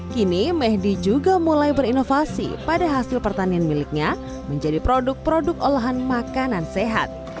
kini mehdi juga mulai berinovasi pada hasil pertanian miliknya menjadi produk produk olahan makanan sehat